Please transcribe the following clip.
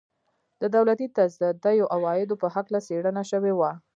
د دولتي تصدیو عوایدو په هکله څېړنه شوې وه.